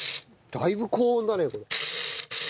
だいぶ高温だねこれ。